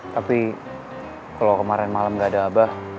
tapi kalau kemarin malam gak ada abah